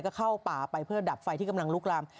ก็เข้าป่าไปเพื่อดับไฟที่กำลังลุกลาม